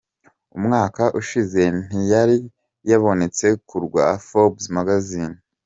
Umwaka ushize ntiyari yabonetse ku rwa Forbes Magazine.